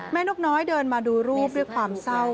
นกน้อยเดินมาดูรูปด้วยความเศร้า